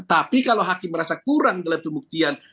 tapi kalau hakim merasa kurang dalam pembuktian